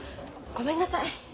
ごめんなさい。